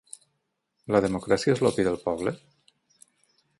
La democràcia és l’opi del poble?